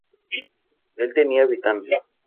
En tenía habitantes.